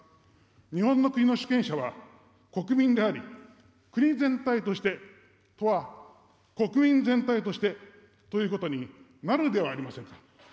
日本の国の主権者は国民であり、国全体としてとは、国民全体としてということになるではありませんか。